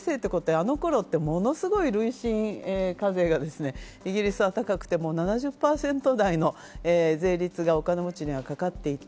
あの頃って、ものすごく累進課税がイギリスは高くて７０％台の税率がお金持ちにはかかっていた。